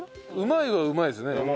うまいはうまいですよね。